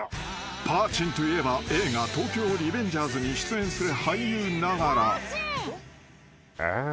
［パーちんといえば映画『東京リベンジャーズ』に出演する俳優ながら］